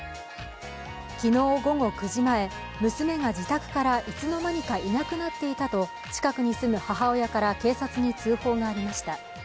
昨日午後９時前、娘が自宅からいつの間にか、いなくなっていたと近くに住む母親から警察に通報がありました。